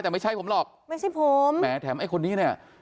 แต่ไม่ใช่ผมหรอกแถมไอ้คนนี้เนี่ย